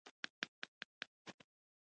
ډېرو پیغمبرانو دلته عبادت کړی دی.